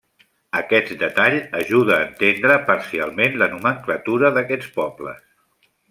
Aquest detall ajuda a entendre parcialment la nomenclatura d'aquests pobles.